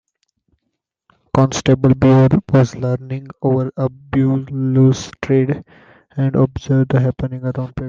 Constable Beaver was leaning over the balustrade and observing the happenings around the pavilion.